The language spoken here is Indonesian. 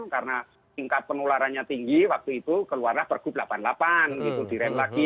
karena tingkat penularannya tinggi waktu itu keluarnya bergrup delapan puluh delapan gitu direm lagi